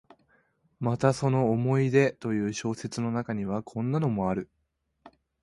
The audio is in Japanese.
またその「思い出」という小説の中には、こんなのもある。